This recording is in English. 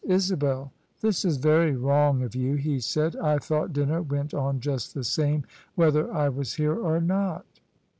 " Isabel, this is very wrong of you," he said. " I thought dinner went on just the same whether I was here or not."